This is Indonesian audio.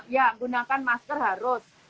ya gunakan masker harus